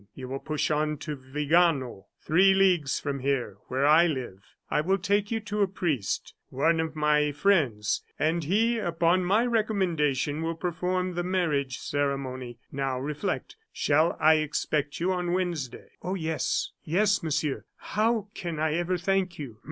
You will push on to Vigano, three leagues from here, where I live. I will take you to a priest, one of my friends; and he, upon my recommendation, will perform the marriage ceremony. Now reflect, shall I expect you on Wednesday?" "Oh, yes, yes, Monsieur. How can I ever thank you?"